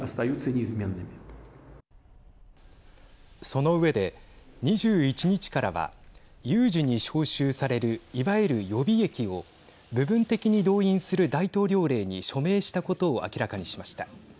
その上で２１日からは有事に召集されるいわゆる予備役を部分的に動員する大統領令に署名したことを明らかにしました。